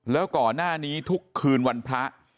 แล้วก่อนหน้านี้ทุกคืนวันพระ